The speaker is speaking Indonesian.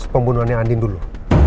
pembunuhannya andin dulu